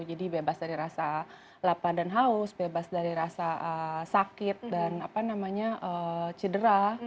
jadi bebas dari rasa lapar dan haus bebas dari rasa sakit dan apa namanya cedera